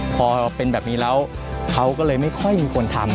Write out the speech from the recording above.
พอเป็นแบบนี้แล้วเขาก็เลยไม่ค่อยมีคนทำ